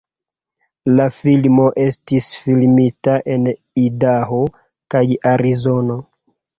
La filmo estis filmita en Idaho kaj Arizono.